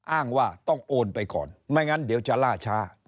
อ้างว่าต้องโอนไปก่อนไม่งั้นเดี๋ยวจะล่าช้า